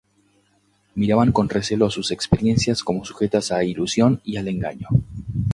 Miraban con recelo sus experiencias como sujetas a ilusión y al engaño.